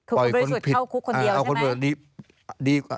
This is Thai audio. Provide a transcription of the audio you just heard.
คือคุณบริสุทธิ์เข้าคุกคนเดียวดีกว่า